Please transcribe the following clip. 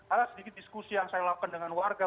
ada sedikit diskusi yang saya lakukan dengan warga